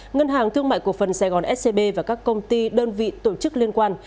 ngân hàng thương mại cổ phần sài gòn scb và các công ty đơn vị tổ chức liên quan